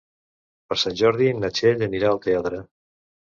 Per Sant Jordi na Txell anirà al teatre.